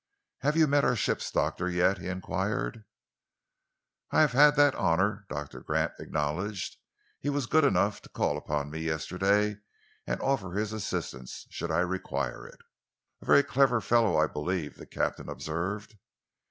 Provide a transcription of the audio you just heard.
"Have you met our ship's doctor yet?" he enquired. "I have had that honour," Doctor Gant acknowledged. "He was good enough to call upon me yesterday and offer his assistance should I require it." "A very clever fellow, I believe," the captain observed.